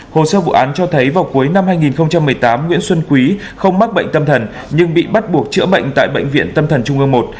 hồ sơ vụ án cho thấy vào cuối năm hai nghìn một mươi tám nguyễn xuân quý không mắc bệnh tâm thần nhưng bị bắt buộc chữa bệnh tại bệnh viện tâm thần trung ương i